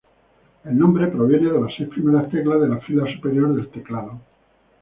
El nombre proviene de las seis primeras teclas de la fila superior del teclado.